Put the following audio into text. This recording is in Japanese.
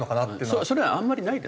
それはあんまりないですよ。